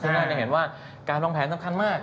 ซึ่งน่าจะเห็นว่าการวางแผนสำคัญมาก